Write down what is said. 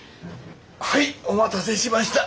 はいお待たせしました。